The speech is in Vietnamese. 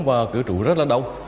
và cứ trụ rất là đông